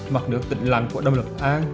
mặt nửa tịnh lặng của đầm lập an